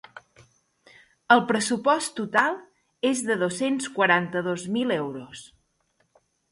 El pressupost total és de dos-cents quaranta-dos mil euros.